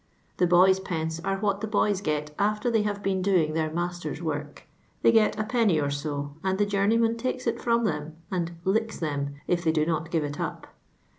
The boys* pence are what the boys get after they have been doing their master's work; they get a 1</. or so, and the journeyman takes it from them, and * licks' them if they do not give it up."